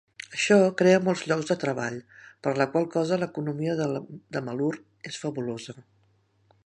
Això crea molts llocs de treball, per la qual cosa l'economia de Malur és fabulosa.